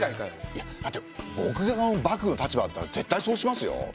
だって僕が幕府の立場だったら絶対そうしますよ。